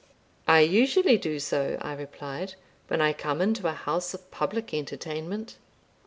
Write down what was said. "I usually do so," I replied, "when I come into a house of public entertainment."